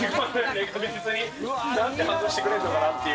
何て反応してくれるのかなっていう。